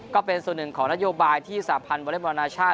ก็เป็นส่วนหนึ่งของนโยบายที่สาพันธ์วอเล็กบอลนาชาติ